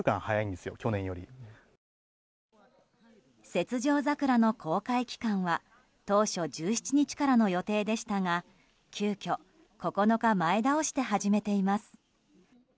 雪上桜の公開期間は当初１７日からの予定でしたが急きょ、９日前倒して始めています。